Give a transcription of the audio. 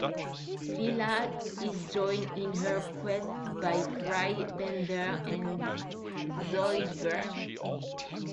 Leela is joined in her quest by Fry, Bender, and Zoidberg.